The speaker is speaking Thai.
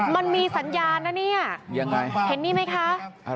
มันมีสัญญาณนะเนี่ยยังไงเห็นนี่ไหมคะ